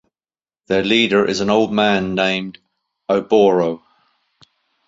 Their leader is an old man named Oboro.